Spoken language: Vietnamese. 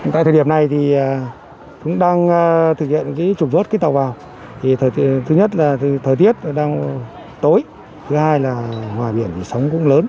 tại thời điểm này thì chúng đang thực hiện trụng vớt cái tàu vào thứ nhất là thời tiết đang tối thứ hai là ngoài biển thì sóng cũng lớn